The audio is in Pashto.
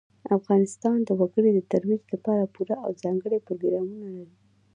افغانستان د وګړي د ترویج لپاره پوره او ځانګړي پروګرامونه لري.